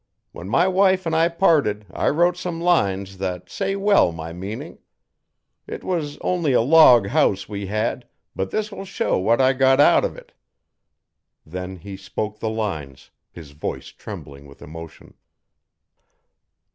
When my wife an' I parted I wrote some lines that say well my meaning. It was only a log house we had, but this will show what I got out of it.' Then he spoke the lines, his voice trembling with emotion.